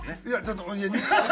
いやちょっと２位。